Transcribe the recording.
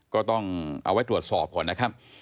ก็ต้องเอาไว้ตรวจสอบก่อนนะครับ